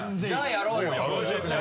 やろうよ。